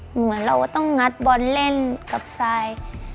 เหมือนเราก็ต้องงัดบอลเล่นกับซาย